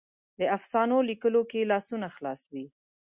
د افسانو لیکلو کې لاسونه خلاص وي.